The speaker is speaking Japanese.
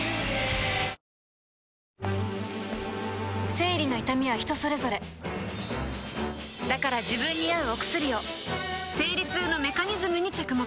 生理の痛みは人それぞれだから自分に合うお薬を生理痛のメカニズムに着目